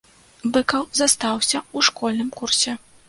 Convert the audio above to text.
Быкаў застаўся ў школьным курсе.